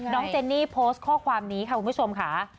เจนนี่โพสต์ข้อความนี้ค่ะคุณผู้ชมค่ะ